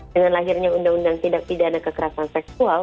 dengan lahirnya undang undang tidak tidak ada kekerasan seksual